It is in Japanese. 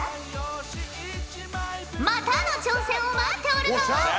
またの挑戦を待っておるぞ！